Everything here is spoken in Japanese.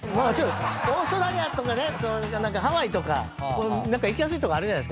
オーストラリアとかねハワイとか行きやすいとこあるじゃない。